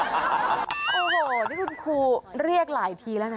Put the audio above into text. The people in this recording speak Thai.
โอ้โหนี่คุณครูเรียกหลายทีแล้วนะ